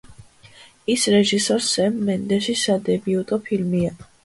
ის რეჟისორ სემ მენდესის სადებიუტო ფილმია.